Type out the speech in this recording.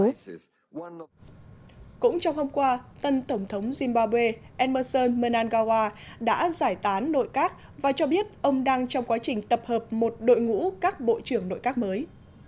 cũng trong hôm qua tân tổng thống zimbabwe emmerson mangawa đã giải tán nội các và cho biết ông đang trong quá trình tập hợp một đội ngũ các bộ trưởng nội các mới